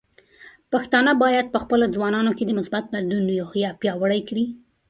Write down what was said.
پښتانه بايد په خپلو ځوانانو کې د مثبت بدلون روحیه پیاوړې کړي.